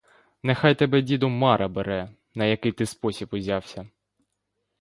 — Нехай тебе, діду, мара бере, на який ти спосіб узявся!